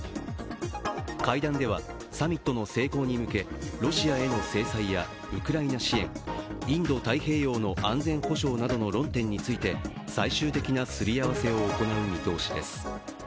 会談では、サミットの成功に向け、ロシアへの制裁やウクライナ支援、インド太平洋の安全保障などの論点について、最終的なすりあわせを行う見通しです。